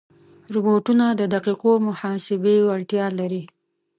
روبوټونه د دقیقو محاسبې وړتیا لري.